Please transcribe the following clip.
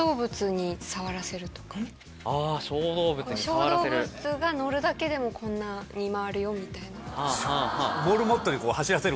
「小動物が乗るだけでもこんなに回るよ」みたいな。